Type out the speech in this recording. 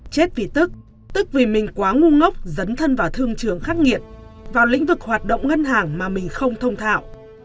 chết vì tức tức vì mình quá ngung ngốc dấn thân vào thương trường khắc nghiện vào lĩnh vực hoạt động ngân hàng mà mình không thông thạo